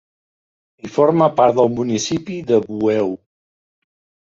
I forma part del municipi de Bueu.